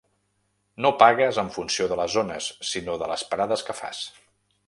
No pagues en funció de les zones, sinó de les parades que fas.